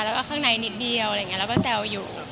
แล้วก็ข้างในนิดเดียวแล้วก็แซวอยู่